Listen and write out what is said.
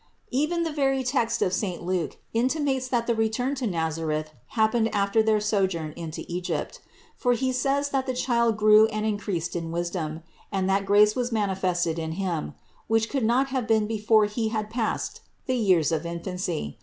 Even the very text of saint Luke intimates that the return to Nazareth hap pened after their sojourn in Egypt; for he says that the Child grew and increased in wisdom, and that grace was manifested in Him ; which could not have been before He had passed the years of infancy.